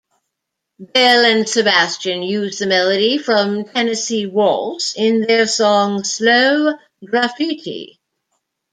Belle and Sebastian used the melody from "Tennessee Waltz" in their song "Slow Graffiti".